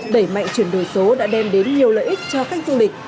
đẩy mạnh chuyển đổi số đã đem đến nhiều lợi ích cho khách du lịch